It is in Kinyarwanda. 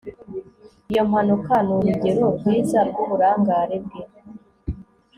Iyo mpanuka ni urugero rwiza rwuburangare bwe